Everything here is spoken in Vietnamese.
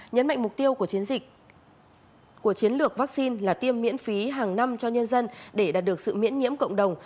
nhấn mạnh mục tiêu của chiến lược vắc xin là tiêm miễn phí hàng năm cho nhân dân để đạt được sự miễn nhiễm cộng đồng